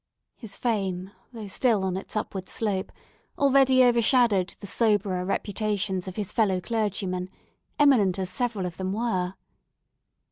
His fame, though still on its upward slope, already overshadowed the soberer reputations of his fellow clergymen, eminent as several of them were.